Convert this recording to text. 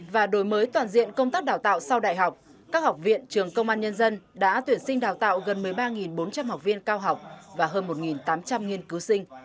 và đổi mới toàn diện công tác đào tạo sau đại học các học viện trường công an nhân dân đã tuyển sinh đào tạo gần một mươi ba bốn trăm linh học viên cao học và hơn một tám trăm linh nghiên cứu sinh